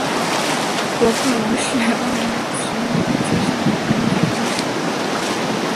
博克龙是巴拿马奇里基省博克龙区的一个市。